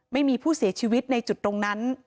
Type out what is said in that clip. ไม่มีผู้เสียชีวิตในจุดตรงนั้น